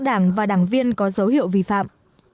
đảng và đảng viên có dấu hiệu vi phạm